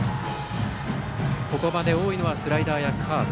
ここまで多いのはスライダーやカーブ。